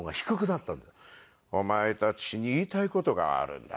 「お前たちに言いたい事があるんだ。